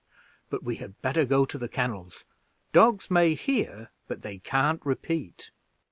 But we had better go to the kennels. Dogs may hear, but they can't repeat."